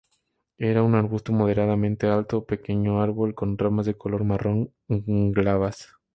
Es un arbusto moderadamente alto o pequeño árbol con ramas de color marrón, glabras.